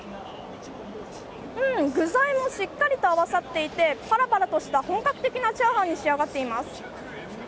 具材もしっかりと合わさっていてぱらぱらとした本格的なチャーハンに仕上がっています。